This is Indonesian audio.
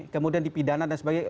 kemudian di pidana dan sebagainya